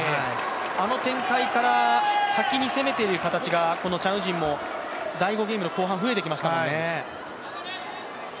あの展開から先に攻めている形がチャン・ウジンも第５ゲームの後半増えてきましたもんね。